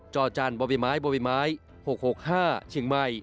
จอจานบอบิม้ายบอบิม้าย๖๖๕เชียงใหม่